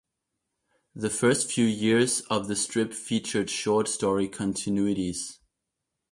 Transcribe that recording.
The first few years of the strip featured short story continuities.